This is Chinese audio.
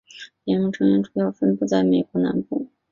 联盟成员主要分布在美国南部。